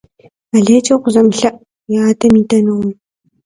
Алейкӏэ укъызэмылъэӏу, уи адэм идэнукъым.